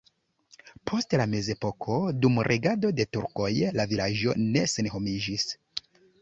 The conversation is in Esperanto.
Post la mezepoko dum regado de turkoj la vilaĝo ne senhomiĝis.